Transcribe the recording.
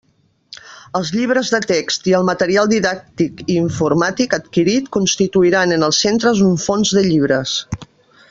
Els llibres de text i el material didàctic i informàtic adquirit constituiran en els centres un fons de llibres.